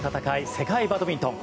世界バドミントン。